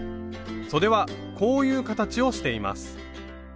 そではこういう形をしています。